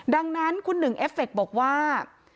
ดังนั้นคุณหนึ่งเอฟเฟคบอกว่า